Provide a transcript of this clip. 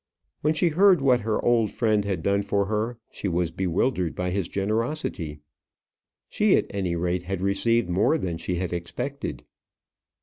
When she heard what her old friend had done for her, she was bewildered by his generosity. She, at any rate, had received more than she had expected.